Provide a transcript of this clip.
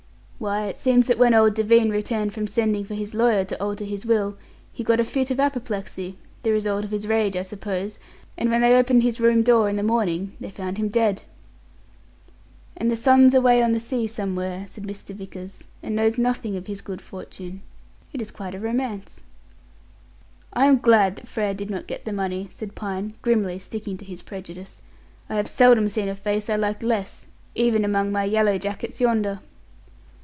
"Why, it seems that when old Devine returned from sending for his lawyer to alter his will, he got a fit of apoplexy, the result of his rage, I suppose, and when they opened his room door in the morning they found him dead." "And the son's away on the sea somewhere," said Mr. Vickers "and knows nothing of his good fortune. It is quite a romance." "I am glad that Frere did not get the money," said Pine, grimly sticking to his prejudice; "I have seldom seen a face I liked less, even among my yellow jackets yonder."